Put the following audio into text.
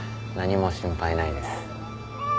何も心配ないです。